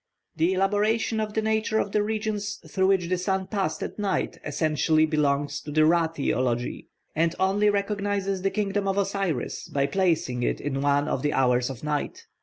The elaboration of the nature of the regions through which the sun passed at night essentially belongs to the Ra theology, and only recognises the kingdom of Osiris by placing it in one of the hours of night.